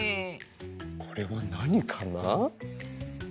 これはなにかな？